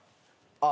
あっ！